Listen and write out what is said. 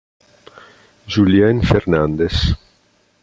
Julien Fernandes